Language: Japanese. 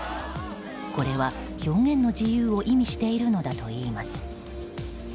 これは表現の自由を意味しているのだといいます。